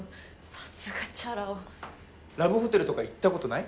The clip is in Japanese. さすがチャラ男ラブホテルとか行ったことない？